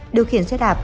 điều khiển xe đạp